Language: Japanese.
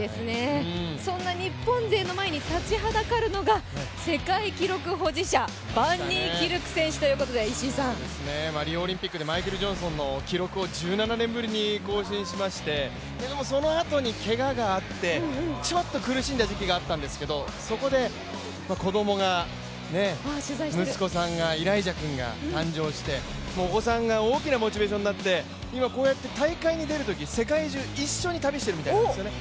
そんな日本勢の前に立ちはだかるのが世界記録保持者バンニーキルク選手ということでリオオリンピックでマイケル・ジョンソンの記録を１７年ぶりに更新しまして、そのあとにけががあってちょっと苦しんだ時期があったんですけどそこで子供が息子さん、イライジャ君が誕生してお子さんが大きなモチベーションになって、こうやって大会に出るとき、世界中一緒に旅しているみたいなんですよね。